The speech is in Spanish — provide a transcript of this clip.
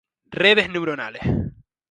Redes neuronales.